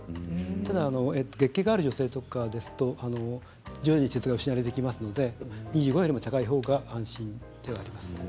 ただ月経がある女性ですと常時、鉄が失われていきますので２５より高いほうが安心ではあります。